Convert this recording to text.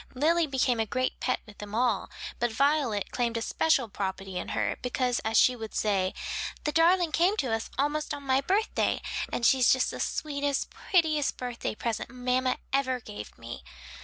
Lily became a great pet with them all, but Violet claimed a special property in her because as she would say, "The darling came to us almost on my birthday and she's just the sweetest, prettiest birthday present mamma ever gave me."